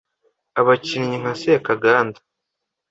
Abakinnyi nka Sekaganda